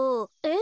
え！